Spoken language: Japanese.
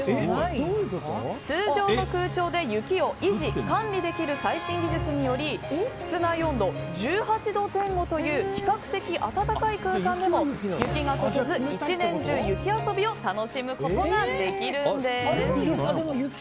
通常の空調で雪を維持・管理できる最新技術により室内温度１８度前後という比較的暖かい空間でも雪が解けず一年中、雪遊びを楽しむことができるんです。